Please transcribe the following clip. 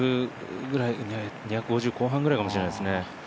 ２５０後半ぐらいかもしれないですね。